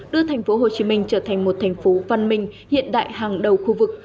đưa thành phố hồ chí minh trở thành một thành phố văn minh hiện đại hàng đầu khu vực